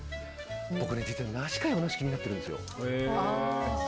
僕、実は梨か洋梨も気になってるんですよ。